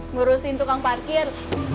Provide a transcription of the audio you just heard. ngurusin tukang parkir